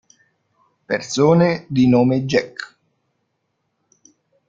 Persone di nome Jack